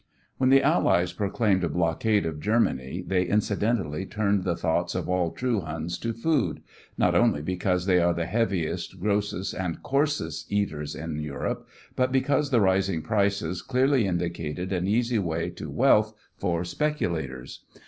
When the Allies proclaimed a blockade of Germany, they incidentally turned the thoughts of all true Huns to food, not only because they are the heaviest, grossest and coarsest eaters in Europe, but because the rising prices clearly indicated an easy way to wealth for speculators.